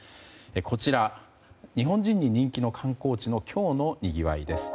こちら、日本人に人気の観光地の今日のにぎわいです。